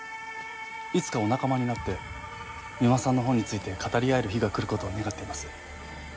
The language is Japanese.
いつかお仲間になって三馬さんの本について語り合える日が来る事を願っています。